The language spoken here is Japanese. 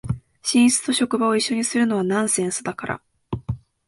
寝室と職場を一緒にするのはナンセンスだから